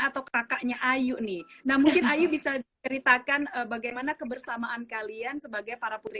atau kakaknya ayu nih namun kita bisa ceritakan bagaimana kebersamaan kalian sebagai para putri